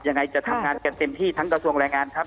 ยังไงจะทำงานกันเต็มที่ทั้งกระทรวงแรงงานครับ